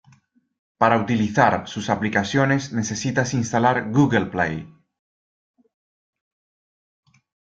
Para utilizar sus aplicaciones necesitas instalar Google play.